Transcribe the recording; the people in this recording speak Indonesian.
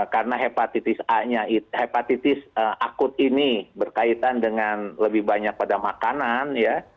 karena hepatitis akut ini berkaitan dengan lebih banyak pada makanan ya